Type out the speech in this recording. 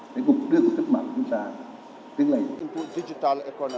để cục đường thất mạng chúng ta